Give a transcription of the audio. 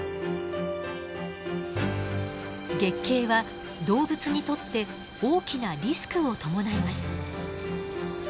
月経は動物にとって大きなリスクを伴います。